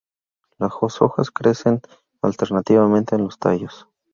Las hojas crecen alternativamente en los tallos.